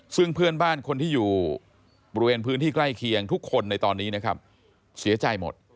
ซึ่งเพื่อนบ้านคนที่อยู่บริเวณพื้นที่ใกล้เคียงทุกคนในตอนนี้นะครับเสียใจหมด